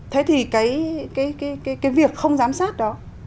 thế thì cái việc không giám sát đó